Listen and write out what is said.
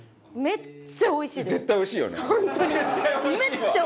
めっちゃおいしいです！